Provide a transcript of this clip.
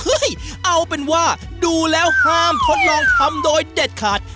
เอาเป็นว่าดูแล้วห้ามทดลองทำโดยเด็ดขาด